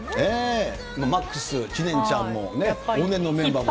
ＭＡＸ、知念ちゃんも、往年のメンバーと。